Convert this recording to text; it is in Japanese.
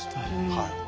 はい。